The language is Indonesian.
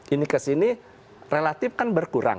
ini ke sini relatif kan berkurang